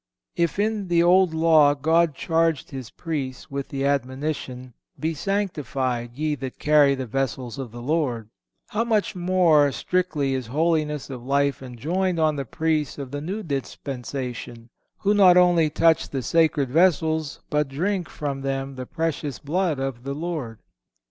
If in the Old Law God charged His Priests with the admonition: "Be sanctified, ye that carry the vessels of the Lord,"(513) how much more strictly is holiness of life enjoined on the Priests of the New Dispensation, who not only touch the sacred vessels, but drink from them the Precious Blood of the Lord?